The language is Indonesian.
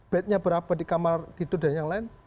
bednya berapa di kamar tidur dan yang lain